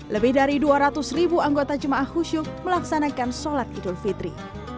lebih dari dua ratus ribu anggota jemaah khusyuk melaksanakan sholat idul fitri